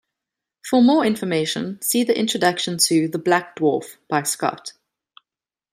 For more information, see the introduction to "The Black Dwarf" by Scott.